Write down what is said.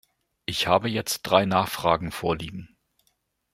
Ich habe jetzt drei Nachfragen vorliegen.